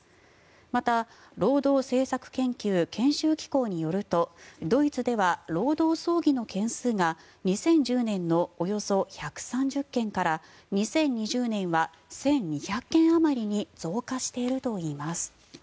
また労働政策研究・研修機構によるとドイツでは労働争議の件数が２０１０年のおよそ１３０件から２０２０年は１２００件あまりに増加しているといいます。